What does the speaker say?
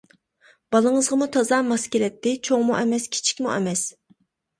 بالىڭىزغىمۇ تازا ماس كېلەتتى، چوڭمۇ ئەمەس، كىچىكمۇ ئەمەس.